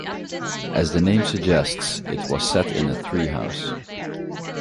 As the name suggests, it was set in a tree house.